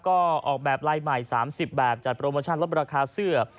ก็ออกแบบลายใหม่๓๐แบบจัดโปรโมชั่นลดราคาเสื้อ